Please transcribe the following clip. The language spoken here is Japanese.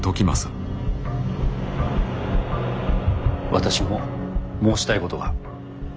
私も申したいことが。